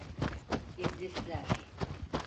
İblisler.